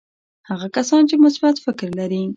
هغه کسان چې مثبت فکر لري.